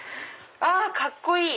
カッコいい！